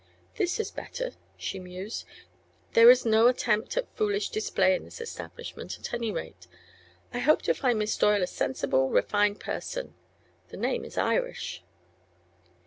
"This is better," she mused. "There is no attempt at foolish display in this establishment, at any rate. I hope to find Miss Doyle a sensible, refined person. The name is Irish."